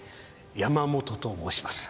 山本と申します。